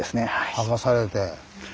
剥がされて。